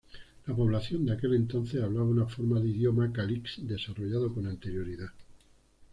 La población de aquel entonces hablaba una forma de idioma Kalix desarrollado con anterioridad.